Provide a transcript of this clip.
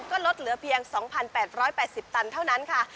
ก็ลดเหลือเพียง๒๘๘๐ตันเท่านั้นค่ะ